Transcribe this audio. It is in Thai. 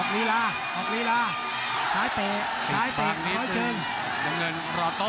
น้ำเงินรอโต้